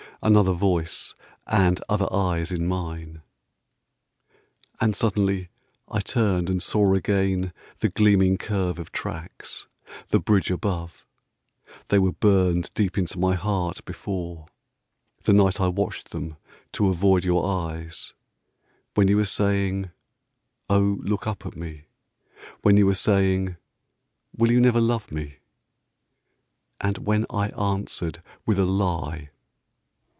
Another voice and other eyes in mine! And suddenly I turned and saw again The gleaming curve of tracks, the bridge above They were burned deep into my heart before, The night I watched them to avoid your eyes, When you were saying, "Oh, look up at me!" When you were saying, "Will you never love me?" And when I answered with a lie.